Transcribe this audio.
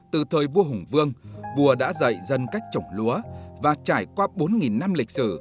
từ thời vua hùng vương vua đã dạy dân cách trồng lúa và trải qua bốn năm lịch sử